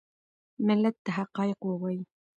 ملت ته حقایق ووایي .